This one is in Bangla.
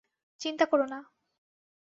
চিন্তা কোরো না।